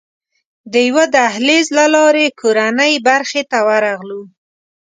د یوه دهلېز له لارې کورنۍ برخې ته ورغلو.